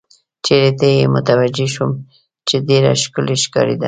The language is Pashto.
چېرې ته یې متوجه شوم، چې ډېره ښکلې ښکارېده.